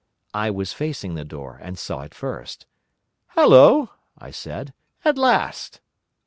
I was facing the door, and saw it first. "Hallo!" I said. "At last!"